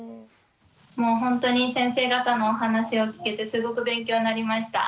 もうほんとに先生方のお話を聞けてすごく勉強になりました。